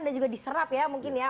dan juga diserap ya mungkin ya